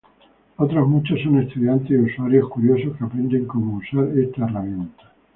Otros muchos son estudiantes y usuarios curiosos, que aprenden cómo usar esta herramienta.